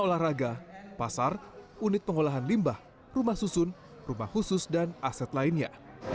olahraga pasar unit pengolahan limbah rumah susun rumah khusus dan aset lainnya